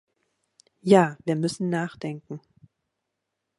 Ja, wir müssen nachdenken.